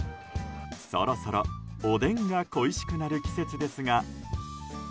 そろそろ、おでんが恋しくなる季節ですが。